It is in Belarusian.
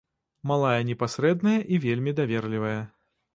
Малая непасрэдная і вельмі даверлівая.